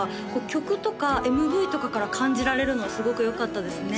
曲とかＭＶとかから感じられるのはすごくよかったですね